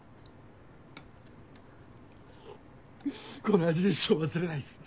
この味一生忘れないっす。